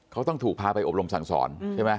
เขาต้องถูกพาไปโอบรมสั่งสอน